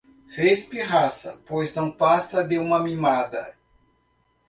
Fez pirraça, pois não passa de uma mimada